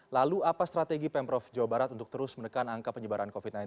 lalu apa strategi pemprov jawa barat untuk terus menekan angka penyebaran covid sembilan belas